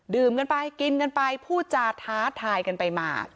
กันไปกินกันไปพูดจาท้าทายกันไปมา